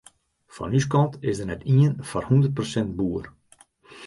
Fan ús kant is der net ien foar hûndert persint boer.